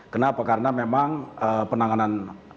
kenapa karena memang penanganan